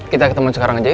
kita ketemu sekarang aja yuk